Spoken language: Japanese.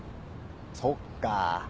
そっか